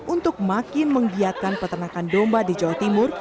untuk makin menggiatkan peternakan domba di jawa timur